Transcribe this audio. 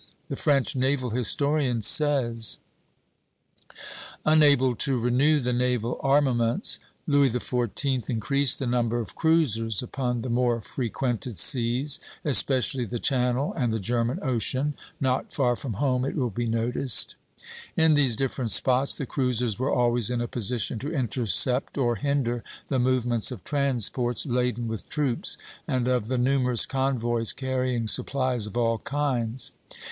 The French naval historian says: "Unable to renew the naval armaments, Louis XIV. increased the number of cruisers upon the more frequented seas, especially the Channel and the German Ocean [not far from home, it will be noticed]. In these different spots the cruisers were always in a position to intercept or hinder the movements of transports laden with troops, and of the numerous convoys carrying supplies of all kinds.